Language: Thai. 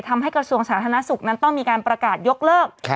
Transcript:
กระทรวงสาธารณสุขนั้นต้องมีการประกาศยกเลิก